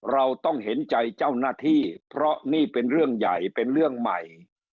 เราต้องเห็นใจเจ้าหน้าที่เพราะนี่เป็นเรื่องใหญ่เป็นเรื่องใหม่